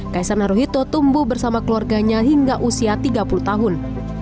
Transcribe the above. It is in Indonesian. kaisar naruhito tumbuh bersama keluarganya hingga usia tiga puluh tahun